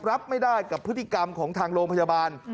รับไม่ได้กับพฤติกรรมของทางโรงพยาบาล